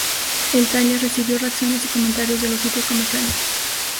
El trailer recibió reacciones y comentarios de los sitios comerciales.